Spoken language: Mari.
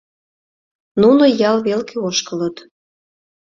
Нуно ял велке ошкылыт.